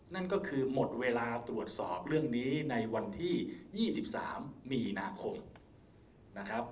นั่นก็คือหมดเวลาตรวจสอบเรื่องนี้ในวันที่๒๓มีนาคมนะครับ